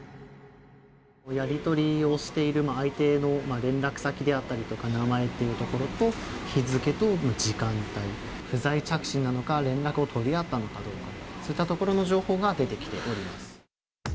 やり取りをしている相手の連絡先であったりとか名前っていうところと、日付と時間帯、不在着信なのか、連絡を取り合ったのかどうか、そういったところの情報が出てきております。